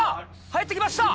入って来ました！